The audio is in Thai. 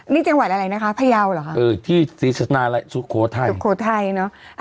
นี่จังหวัดอะไรนะคะพยาวเหรอคะเออที่ศรีชนาลัยสุโขทัยสุโขทัยเนอะ